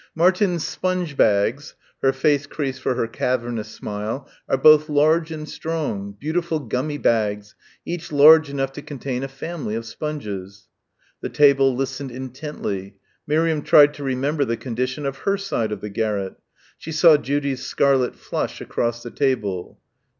"Martins' sponge bags" her face creased for her cavernous smile "are both large and strong beautiful gummi bags, each large enough to contain a family of sponges." The table listened intently. Miriam tried to remember the condition of her side of the garret. She saw Judy's scarlet flush across the table.